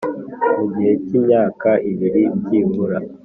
mu gihe cy imyaka ibiri byibura